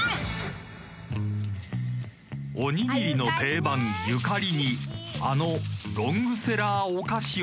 ［おにぎりの定番ゆかりにあのロングセラーお菓子を交ぜると］